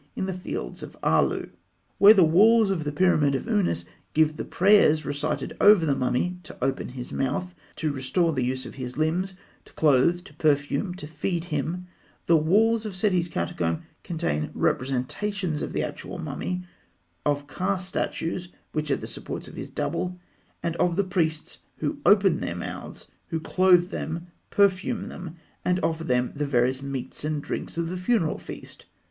in the Fields of Aalû (fig. 159). Where the walls of the pyramid of Ûnas give the prayers recited over the mummy to open his mouth, to restore the use of his limbs, to clothe, to perfume, to feed him, the walls of Seti's catacomb contain representations of the actual mummy, of the Ka statues which are the supports of his Double, and of the priests who open their mouths, who clothe them, perfume them, and offer them the various meats and drinks of the funeral feast.